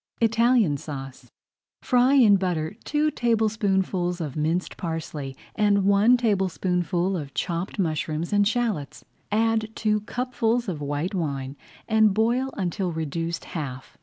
ITALIAN SAUCE Fry in butter two tablespoonfuls of minced parsley and one tablespoonful of chopped mushrooms and shallots. Add two cupfuls of white wine and boil until reduced half.